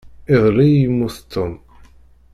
Iḍelli i yemmut Tom.